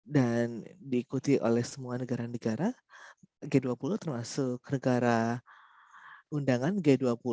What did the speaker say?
diikuti oleh semua negara negara g dua puluh termasuk negara undangan g dua puluh